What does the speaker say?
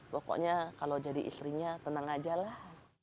pokoknya kalau jadi istrinya tenang aja lah